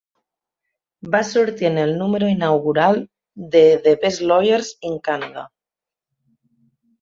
Va sortir en el número inaugural de "The Best Lawyers in Canada".